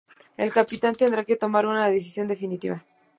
El Capitán tendrá que tomar una decisión definitiva.